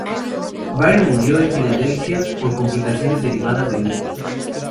Byrne murió en Filadelfia por complicaciones derivadas de lupus.